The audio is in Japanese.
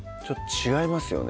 違いますね